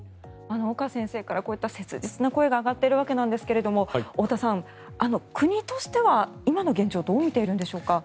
岡先生からこういった切実な声が上がっているわけですが太田さん、国としては今の現状をどう見ているのでしょうか。